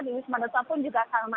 di wisma dosa pun juga sama